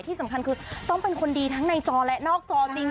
ที่สำคัญคือต้องเป็นคนดีทั้งในจอและนอกจอจริง